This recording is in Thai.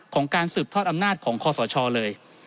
การสืบทอดอำนาจของคอสชเลย